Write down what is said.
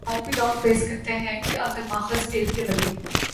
آج بھی لوگ بحث کرتے ہیں کہ عقل ماخذ علم یا وحی؟